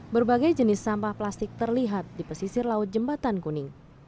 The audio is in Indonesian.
berbagai jenis sampah plastik terlihat di pesisir laut jembatan kuning